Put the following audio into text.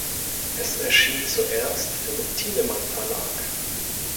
Es erschien zuerst im Thienemann-Verlag.